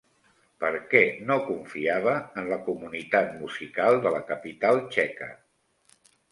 Per què no confiava en la comunitat musical de la capital txeca?